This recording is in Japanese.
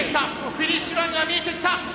フィニッシュラインが見えてきた。